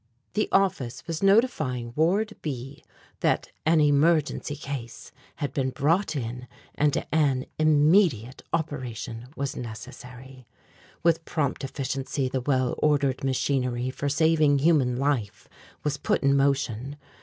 The office was notifying Ward B that an emergency case had been brought in and an immediate operation was necessary. With prompt efficiency the well ordered machinery for saving human life was put in motion.